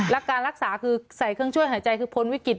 แล้วการรักษาคือใส่เครื่องช่วยหายใจคือพ้นวิกฤต